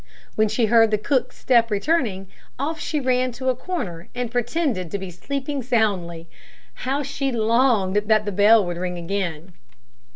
When she heard the cook's step returning, off she ran to a corner and pretended to be sleeping soundly. How she longed that the bell would ring again!